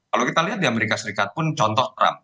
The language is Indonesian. kalau kita lihat di amerika serikat pun contoh trump